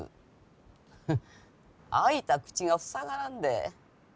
フッ開いた口が塞がらんで。